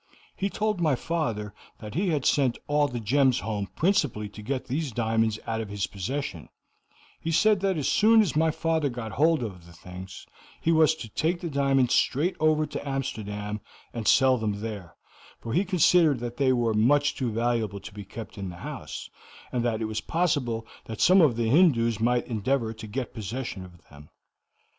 He told my father that he had sent all the gems home principally to get these diamonds out of his possession; he said that as soon as my father got hold of the things, he was to take the diamonds straight over to Amsterdam and sell them there, for he considered that they were much too valuable to be kept in the house, and that it was possible that some of the Hindoos might endeavor to get possession of them.